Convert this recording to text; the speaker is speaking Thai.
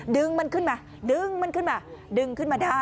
ดึงมันขึ้นมาดึงมันขึ้นมาดึงขึ้นมาได้